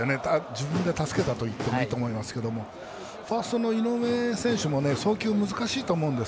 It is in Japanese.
自分で助けたといってもいいと思いますけどファーストの井上選手も送球が難しいと思います